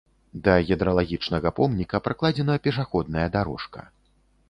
Да гідралагічнага помніка пракладзена пешаходная дарожка.